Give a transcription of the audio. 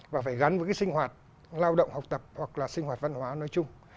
và phải gắn với cái sinh hoạt lao động học tập hoặc là sinh hoạt văn hóa nói chung